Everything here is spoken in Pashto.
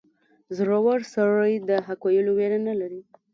• زړور سړی د حق ویلو ویره نه لري.